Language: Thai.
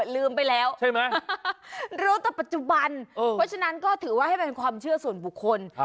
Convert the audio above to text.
ลืมไปแล้วใช่ไหมรู้แต่ปัจจุบันเพราะฉะนั้นก็ถือว่าให้เป็นความเชื่อส่วนบุคคล